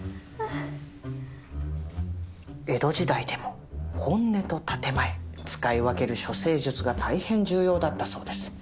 江戸時代でも本音と建て前使い分ける処世術が大変重要だったそうです。